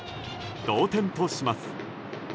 同点とします。